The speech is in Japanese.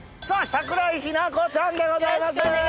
桜井日奈子ちゃんでございます。